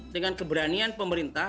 dengan keberanian pemerintah